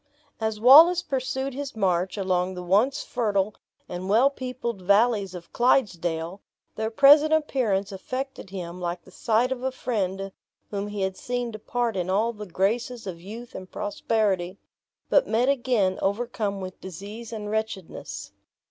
As Wallace pursued his march along the once fertile and well peopled valleys of Clydesdale, their present appearance affected him like the sight of a friend whom he had seen depart in all the graces of youth and prosperity, but met again overcome with disease and wretchedness.